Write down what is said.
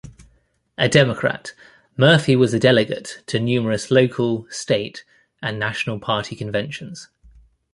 A Democrat, Murphy was a delegate to numerous local, state and national party conventions.